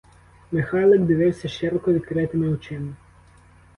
Михайлик дивився широко відкритими очима.